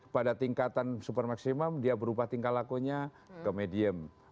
pada tingkatan super maksimum dia berubah tingkah lakunya ke medium